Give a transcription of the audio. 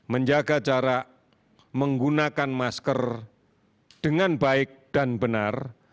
menjaga jarak menggunakan masker dengan baik dan benar